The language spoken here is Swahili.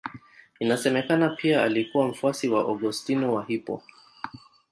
Inasemekana pia alikuwa mfuasi wa Augustino wa Hippo.